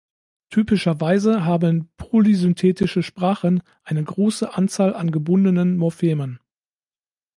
Typischerweise haben polysynthetische Sprachen eine große Anzahl an gebundenen Morphemen.